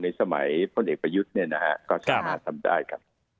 ในสมัยคนเด็กประยุทธ์ก็สามารถทำได้ครับ